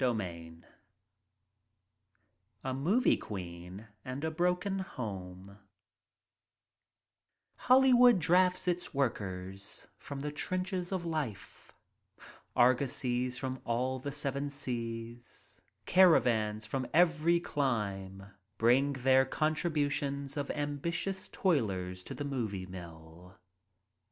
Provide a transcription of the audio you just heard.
f A Movie Queen and a Broken Home TT 11 V OLLYWOOD drafts its workers from the Trenches of Life — Argosies from all the seven seas — caravans from every clime — bring their contributions of am bitious toilers to the movie mill.